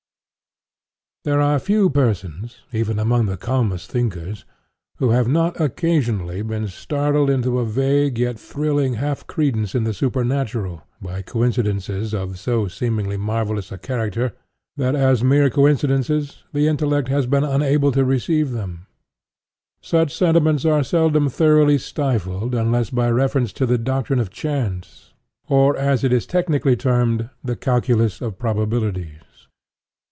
There are few persons, even among the calmest thinkers, who have not occasionally been startled into a vague yet thrilling half credence in the supernatural, by coincidences of so seemingly marvellous a character that, as mere coincidences, the intellect has been unable to receive them. Such sentiments—for the half credences of which I speak have never the full force of thought—such sentiments are seldom thoroughly stifled unless by reference to the doctrine of chance, or, as it is technically termed, the Calculus of Probabilities.